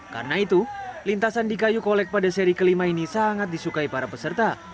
karena itu lintasan di kayu kolek pada seri kelima ini sangat disukai para peserta